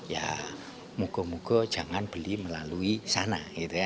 ya moga moga jangan beli melalui sana